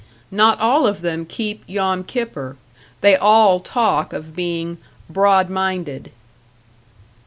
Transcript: Not all of them keep Yom Kippur; they all talk of being "broad minded."